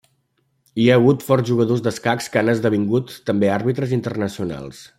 Hi ha hagut forts jugadors d'escacs que han esdevingut també àrbitres internacionals.